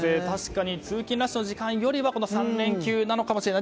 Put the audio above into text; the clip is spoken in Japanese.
通勤ラッシュの時間よりはこの３連休なのかもしれない。